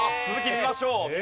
見ましょう。